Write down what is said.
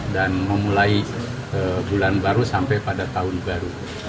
dan memulai bulan baru sampai pada tahun baru